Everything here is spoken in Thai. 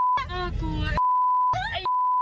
บริเวณทั่วี